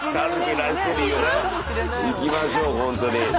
いきましょうほんとに。